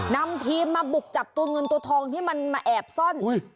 นำทีมมาบุกจับตัวเงินตัวทองที่มันมาแอบซ่อน